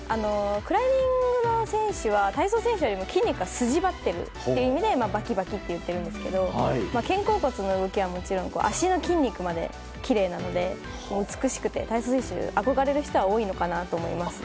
クライミングの選手は体操選手よりも筋肉が筋張っているのでバキバキなんですけど肩甲骨の動きはもちろん足の筋肉まで美しくて体操選手でも憧れる人が多いのかなと思いますね。